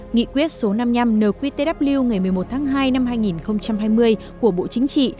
nghị quyết số năm mươi năm nqtw ngày một mươi một tháng hai năm hai nghìn hai mươi của bộ chính trị